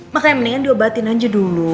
makanya mendingan diobatin aja dulu